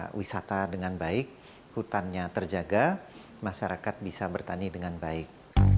pariwisata dengan baik hutannya terjaga masyarakat bisa bertani dengan baik